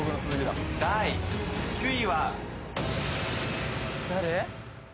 第９位は誰？